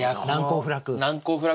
難攻不落？